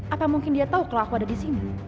apa mungkin dia tau kalau aku ada disini